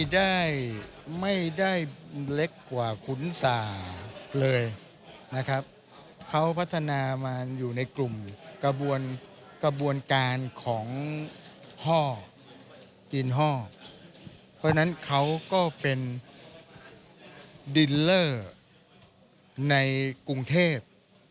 ดินเลอร์ในกรุงเทพฯ